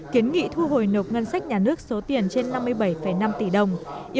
kiến nghị thu hồi nộp ngân sách nhà nước số tiền trên năm mươi bảy năm tỷ đồng